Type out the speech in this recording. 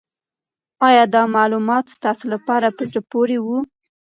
آیا دا معلومات ستاسو لپاره په زړه پورې وو؟